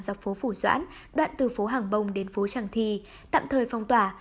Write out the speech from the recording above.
dọc phố phủ doãn đoạn từ phố hàng bông đến phố tràng thì tạm thời phong tòa